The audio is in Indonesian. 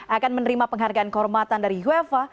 akan menerima penghargaan kehormatan dari uefa